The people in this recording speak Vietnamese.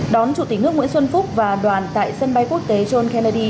đón chủ tịch nước nguyễn xuân phúc và đoàn tại sân bay quốc tế john kennedy